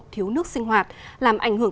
thiếu nước sinh hoạt làm ảnh hưởng